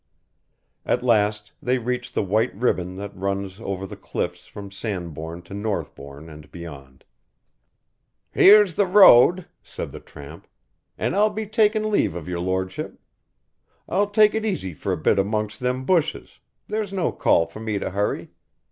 At last they reached the white ribbon that runs over the cliffs from Sandbourne to Northbourne and beyond. "Here's the road," said the tramp, "and I'll be takin' leave of your lor'ship. I'll take it easy for a bit amongst them bushes, there's no call for me to hurry.